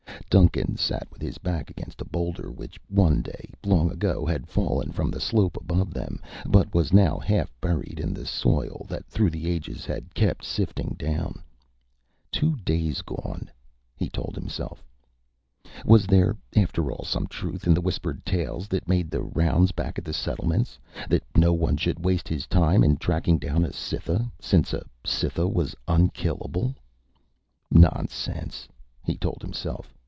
Duncan sat with his back against a boulder which one day, long ago, had fallen from the slope above them, but was now half buried in the soil that through the ages had kept sifting down. Two days gone, he told himself. Was there, after all, some truth in the whispered tales that made the rounds back at the settlements that no one should waste his time in tracking down a Cytha, since a Cytha was unkillable? Nonsense, he told himself.